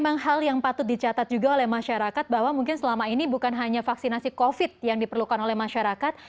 memang hal yang patut dicatat juga oleh masyarakat bahwa mungkin selama ini bukan hanya vaksinasi covid yang diperlukan oleh masyarakat